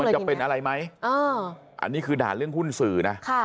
จะเป็นอะไรไหมอันนี้คือธรรมในขุนสื่อนะ